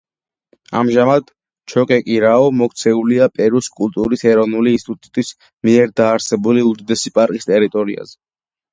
ამჟამად, ჩოკეკირაო მოქცეულია პერუს კულტურის ეროვნული ინსტიტუტის მიერ დაარსებული უდიდესი პარკის ტერიტორიაზე.